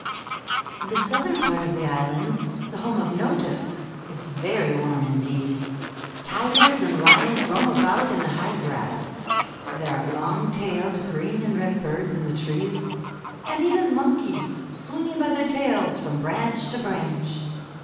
The southern part of the island, the home of Notus, is very warm indeed. Tigers and lions roam about in the high grass, there are long tailed green and red birds in the trees, and even monkeys swinging by their tails from branch to branch.